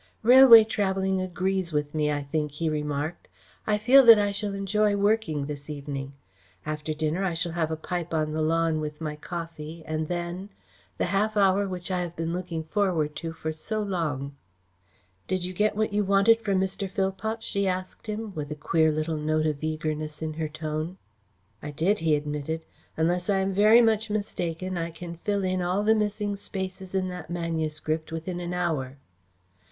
"Railway travelling agrees with me, I think," he remarked. "I feel that I shall enjoy working this evening. After dinner I shall have a pipe on the lawn with my coffee, and then the half hour which I have been looking forward to for so long." "Did you get what you wanted from Mr. Phillpots?" she asked him, with a queer little note of eagerness in her tone. "I did," he admitted. "Unless I am very much mistaken, I can fill in all the missing spaces in that manuscript within an hour.